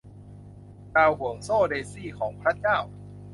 ดาวห่วงโซ่เดซี่ของพระเจ้า